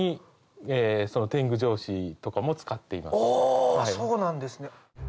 あそうなんですね！